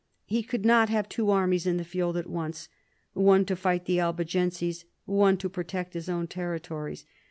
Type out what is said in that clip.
He could not have two armies in the field at once, one to fight the Albigenses, one to protect his own territories.